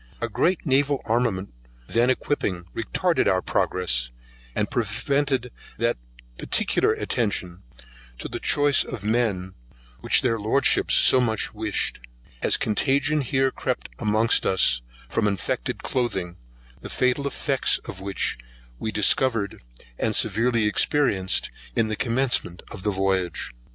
A great naval armament then equipping retarded our progress, and prevented that particular attention to the choice of men which their Lordships so much wished; as contagion here crept amongst us from infected clothing, the fatal effects of which we discovered, and severely experienced, in the commencement of the voyage.